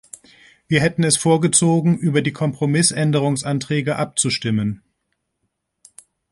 Wir hätten es vorgezogen, über die Kompromissänderungsanträge abzustimmen.